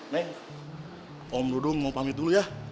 nek om dudung mau pamit dulu ya